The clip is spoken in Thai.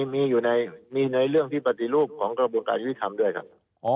มีอยู่ในเรื่องที่ปฏิรูปของกระบวนการยุทธิธรรมด้วยครับ